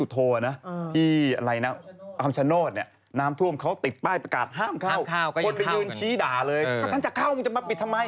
ก็นี่อันแล้วเป็นยังไงหละ